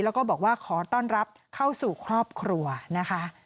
แล้วก็บอกว่าขอต้อนรับเข้าสู่ครอบครัวนะคะ